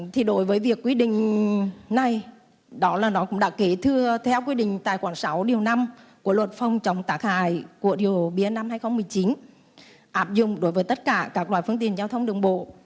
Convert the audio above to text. thì đối với việc quy định này đó là nó cũng đã kể thưa theo quy định tài khoản sáu điều năm của luật phòng chống tạc hại của rượu bia năm hai nghìn một mươi chín áp dụng đối với tất cả các loại phương tiện giao thông đường bộ